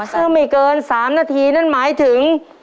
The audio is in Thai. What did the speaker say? ซึ่งไม่เกิน๓นาทีนั่นหมายถึง